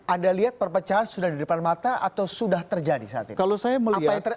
anda lihat perpecahan sudah di depan mata atau sudah terjadi saat ini